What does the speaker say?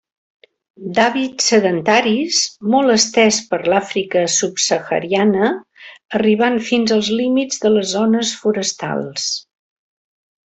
D'hàbits sedentaris, molt estès per l'Àfrica subsahariana, arribant fins als límits de les zones forestals.